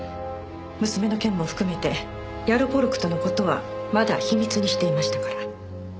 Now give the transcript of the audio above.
娘の件も含めてヤロポロクとの事はまだ秘密にしていましたから。